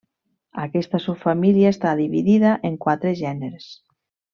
Aquesta subfamília està dividida en quatre gèneres.